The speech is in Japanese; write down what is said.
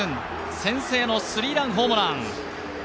先制のスリーランホームラン。